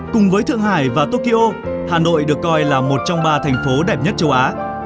cùng với thượng hải và tokyo hà nội được coi là một trong ba thành phố đẹp nhất châu á